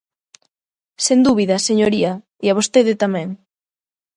Sen dúbida, señoría, e a vostede tamén.